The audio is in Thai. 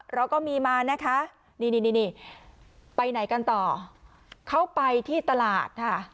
เราก็มีมานะคะนี่นี่ไปไหนกันต่อเขาไปที่ตลาดค่ะ